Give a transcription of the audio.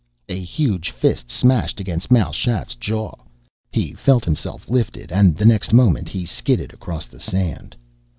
A huge fist smashed against Mal Shaff's jaw. He felt himself lifted, and the next moment he skidded across the sand.